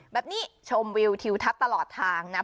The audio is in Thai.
แบบนี้ชมวิวทิวทัพตลอดทาง